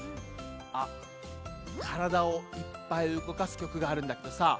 あっからだをいっぱいうごかすきょくがあるんだけどさ